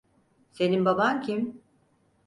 Senin baban kim?